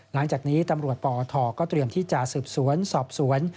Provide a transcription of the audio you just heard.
หลังจากนี้ตำรวจปอทก็เตรียมที่จะสืบสวนสอบสวน